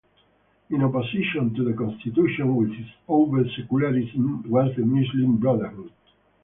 In opposition to the Constitution with its overt secularism was the Muslim Brotherhood.